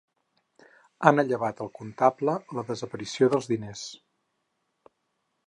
Han allevat al comptable la desaparició dels diners.